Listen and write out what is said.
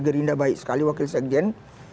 gerindra baik sekali wakil sekjen